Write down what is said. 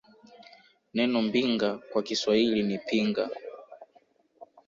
Neno Mbinga kwa Kiswahili ni Pinga